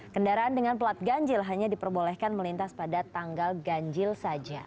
kendaraan dengan pelat ganjil hanya diperbolehkan melintas pada tanggal ganjil saja